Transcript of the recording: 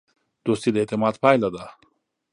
دوستي د اعتماد پایله ده.